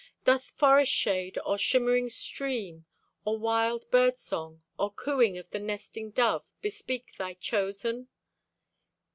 Doth forest shade, or shimmering stream, Or wild bird song, or cooing of the nesting dove, Bespeak thy chosen?